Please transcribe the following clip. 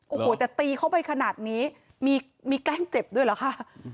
โอ้โหแต่ตีเข้าไปขนาดนี้มีแกล้งเจ็บด้วยเหรอคะ